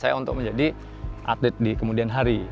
saya untuk menjadi atlet di kemudian hari